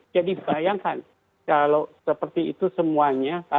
jadi bayangkan kalau seperti itu semuanya